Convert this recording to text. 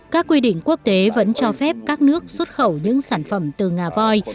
các quy định quốc tế vẫn cho phép các nước xuất khẩu những sản phẩm từ ngà voi